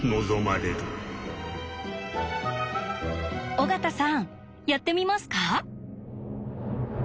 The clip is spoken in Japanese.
尾形さんやってみますか？